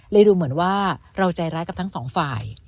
ดูเหมือนว่าเราใจร้ายกับทั้งสองฝ่าย